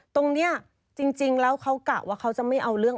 ตรงนี้จริงแล้วเขากะว่าเขาจะไม่เอาเรื่อง